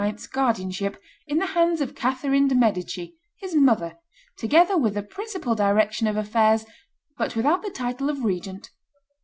's guardianship in the hands of Catherine de' Medici, his mother, together with the principal direction of affairs, but without the title of regent."